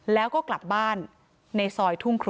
แล้วก็กลับบ้านในซอยทุ่งครู